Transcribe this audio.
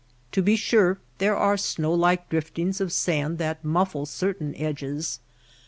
To be sure there are snow like drif tings of sand that muffle certain edges.